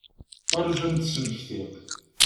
Rju ad m-d-smektiɣ.